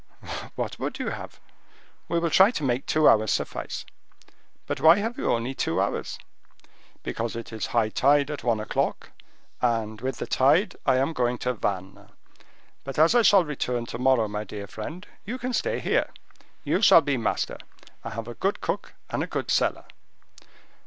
"What would you have? We will try to make two hours suffice. But why have you only two hours?" "Because it is high tide at one o'clock, and, with the tide, I am going to Vannes. But, as I shall return to morrow, my dear friend, you can stay here; you shall be master; I have a good cook and a good cellar."